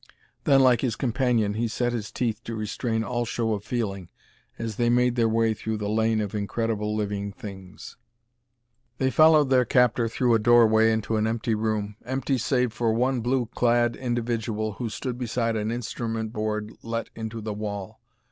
Then, like his companion, he set his teeth to restrain all show of feeling as they made their way through the lane of incredible living things. They followed their captor through a doorway into an empty room empty save for one blue clad individual who stood beside an instrument board let into the wall.